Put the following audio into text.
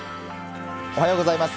おはようございます。